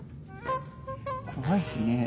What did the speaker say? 怖いですね。